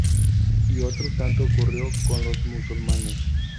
Y otro tanto ocurrió con los musulmanes.